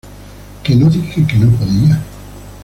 Que no dije que no podía".